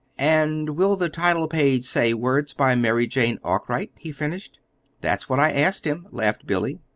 "And will the title page say, 'Words by Mary Jane Arkwright'?" he finished. "That's what I asked him," laughed Billy.